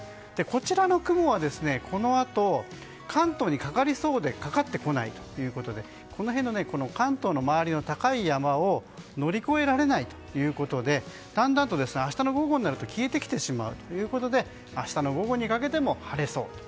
こちらの雲はこのあと関東にかかりそうでかかってこないということで関東の周りの高い山を乗り越えられないということでだんだんと明日の午後になると消えてきてしまうということで明日の午後にかけても晴れそう。